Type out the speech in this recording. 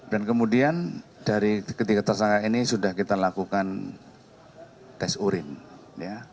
kemudian dari ketiga tersangka ini sudah kita lakukan tes urin ya